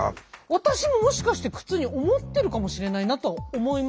私ももしかして苦痛に思ってるかもしれないなと思いました。